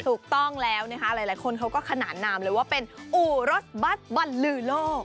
ถูกต้องแล้วนะคะหลายคนเขาก็ขนานนามเลยว่าเป็นอู่รถบัสบรรลือโลก